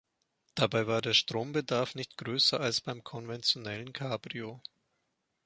Dabei war der Strombedarf nicht größer als beim konventionellen Cabrio.